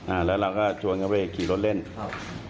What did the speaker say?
อ่าแล้วเราก็ชวนเขาไปขี่รถเล่นครับ